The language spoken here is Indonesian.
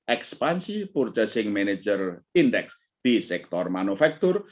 ekspansi purchasing manager index di sektor manufaktur